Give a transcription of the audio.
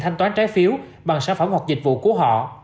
thanh toán trái phiếu bằng sản phẩm hoặc dịch vụ của họ